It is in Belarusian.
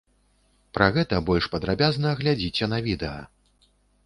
Пра гэта больш падрабязна глядзіце на відэа.